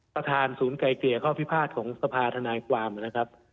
ประธานศูนย์ไกลเกลี่ยข้อพิพาทของสภาธนายความนะครับ